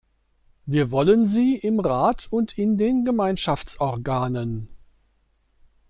Wir wollen sie im Rat und in den Gemeinschaftsorganen.